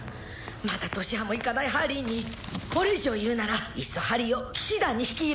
まだ年端もいかないハリーにこれ以上言うならいっそハリーを騎士団に引き入れたら？